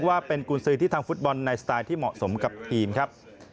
ว่าเป็นกุญสือที่ทางฟุตบอลในสไตล์ที่เหมาะสมกับทีมครับ